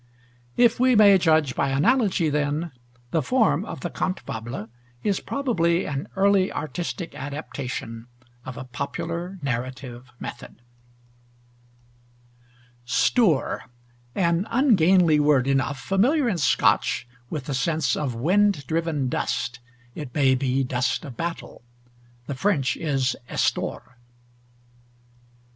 If we may judge by analogy, then, the form of the cante fable is probably an early artistic adaptation of a popular narrative method. STOUR; an ungainly word enough, familiar in Scotch with the sense of wind driven dust, it may be dust of battle. The French is Estor.